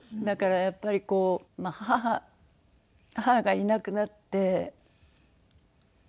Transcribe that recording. だからやっぱりこうまあ母がいなくなって。